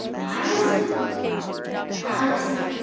"Honest?" "Honest.